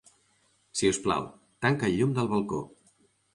Si us plau, tanca el llum del balcó.